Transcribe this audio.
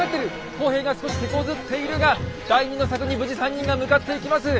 工兵が少してこずっているが第２の柵に無事３人が向かっていきます。